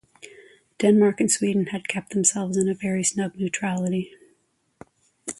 Denmark and Sweden had kept themselves in a very snug neutrality.